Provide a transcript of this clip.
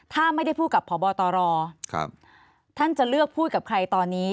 ถ้าไม่ได้พูดกับพบตรท่านจะเลือกพูดกับใครตอนนี้